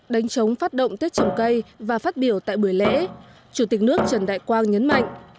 đánh chống phát động tết trồng cây và phát biểu tại buổi lễ chủ tịch nước trần đại quang nhấn mạnh